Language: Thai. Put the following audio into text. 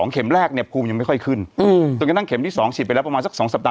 เข็มแรกเนี่ยภูมิยังไม่ค่อยขึ้นจนกระทั่งเข็มที่๒ฉีดไปแล้วประมาณสัก๒สัปดา